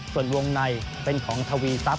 ส่วนวงในเป็นของทวีทรัพย